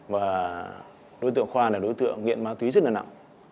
và đối tượng khoa này là đối tượng nghiện máu thúy rất là nặng